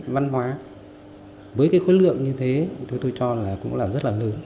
văn hóa với cái khuất lượng như thế tôi cho là cũng là rất là lớn